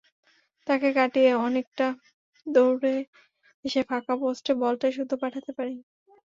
তাঁকে কাটিয়ে অনেকটা দৌড়ে এসে ফাঁকা পোস্টে বলটাই শুধু পাঠাতে বাকি।